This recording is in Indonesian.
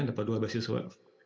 dapat dua beasiswa